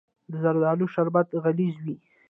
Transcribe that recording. د زردالو شربت غلیظ وي.